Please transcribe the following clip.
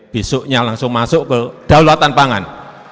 besoknya langsung masuk ke daulatan pangan